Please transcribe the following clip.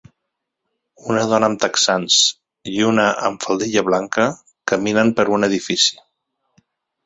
Una dona amb texans i una amb faldilla blanca caminen per un edifici.